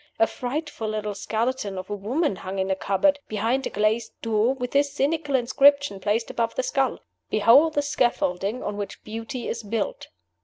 A frightful little skeleton of a woman hung in a cupboard, behind a glazed door, with this cynical inscription placed above the skull: "Behold the scaffolding on which beauty is built!"